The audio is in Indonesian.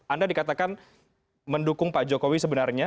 anda dikatakan mendukung pak jokowi sebenarnya